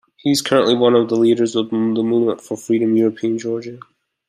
He is currently one of the leaders of the Movement for Freedom-European Georgia.